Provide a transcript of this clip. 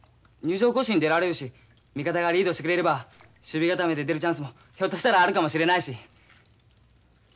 入場行進に出られるし味方がリードしてくれれば守備固めで出るチャンスもひょっとしたらあるかもしれないし。